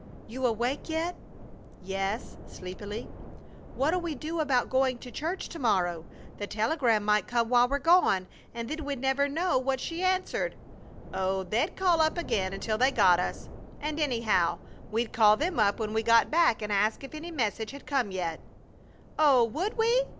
You awake yet?" "Yes!" sleepily. "What'll we do about going to church to morrow? The telegram might come while we're gone, and then we'd never know what she answered." "Oh, they'd call up again until they got us. And, anyhow, we'd call them up when we got back and ask if any message had come yet?" "Oh! Would we?"